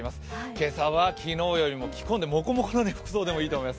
今朝は昨日よりも着込んでもこもこの服装でもいいと思います。